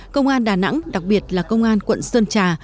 công an đà nẵng đặc biệt là công an quận sơn trà